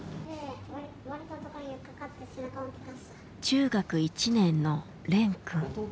中学１年のれんくん。